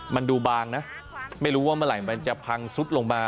มันดูบางนะไม่รู้ว่าเมื่อไหร่มันจะพังซุดลงมา